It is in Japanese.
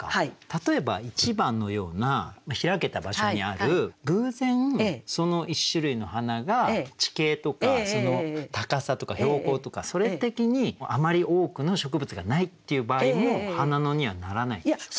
例えば１番のような開けた場所にある偶然その１種類の花が地形とかその高さとか標高とかそれ的にあまり多くの植物がないっていう場合も「花野」にはならないんでしょうか？